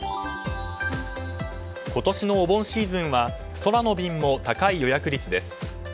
今年のお盆シーズンは空の便も高い予約率です。